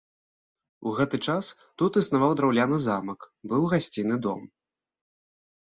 У гэты час тут існаваў драўляны замак, быў гасціны дом.